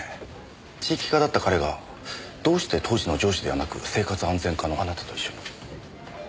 地域課だった彼がどうして当時の上司ではなく生活安全課のあなたと一緒に？